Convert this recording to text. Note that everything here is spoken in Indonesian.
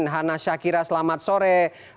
hana syakira selamat sore